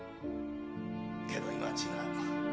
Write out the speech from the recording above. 「けど今は違う」